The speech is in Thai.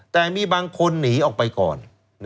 แต่มีบางคนหนีออกไปก่อน